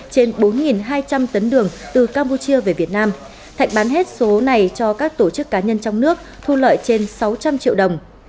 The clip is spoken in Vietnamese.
trên bốn hai trăm linh tấn đường từ campuchia về việt nam thạnh bán hết số này cho các tổ chức cá nhân trong nước thu lợi trên sáu trăm linh triệu đồng